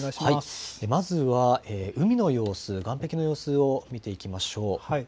まずは海の様子、岸壁の様子を見ていきましょう。